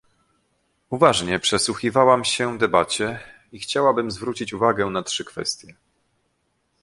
Uważnie przysłuchiwałam sie debacie i chciałabym zwrócić uwagę na trzy kwestie